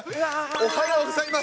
おはようございます。